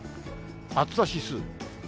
暑さ指数。